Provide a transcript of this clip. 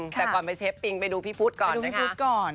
แต่ก่อนไปเชฟปิงไปดูพี่พุทธก่อนนะคะ